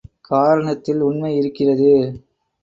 காரணத்தில் உண்மை இருக்கிறது.